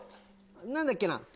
何だっけな？